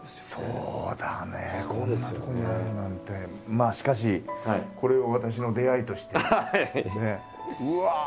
まあしかしこれを私の出会いとしてね。